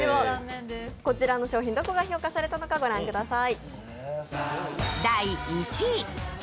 こちらの商品、どこが評価されたのか御覧ください。